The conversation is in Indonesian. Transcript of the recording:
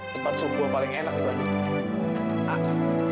tempat suku paling enak di bandung